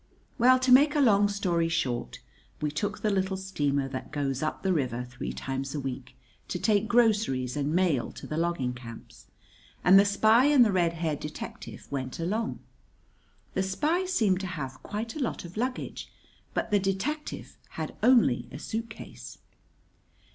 ] Well, to make a long story short, we took the little steamer that goes up the river three times a week to take groceries and mail to the logging camps, and the spy and the red haired detective went along. The spy seemed to have quite a lot of luggage, but the detective had only a suitcase.